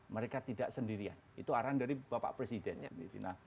mereka tidak sendirian itu arahan dari bapak presiden sendiri